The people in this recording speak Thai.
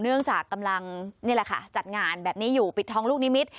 เนื่องจากกำลังจัดงานแบบนี้อยู่ปิดท้องลูกนิมิตร